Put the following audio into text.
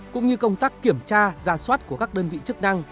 cũng như công tác kiểm tra ra soát của các đơn vị chức năng